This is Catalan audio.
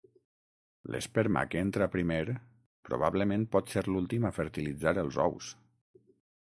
L'esperma que entra primer probablement pot ser l'últim a fertilitzar els ous.